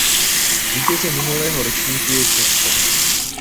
Vítězem minulého ročníku je Česko.